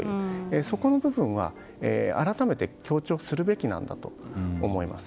そこの部分は、改めて強調するべきなんだと思います。